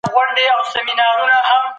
د زکات نظام بايد پياوړی سي.